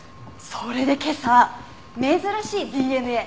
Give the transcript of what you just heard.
それで今朝珍しいＤＮＡ見つけたの。